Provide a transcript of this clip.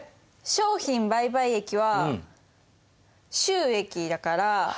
商品売買益は収益だから。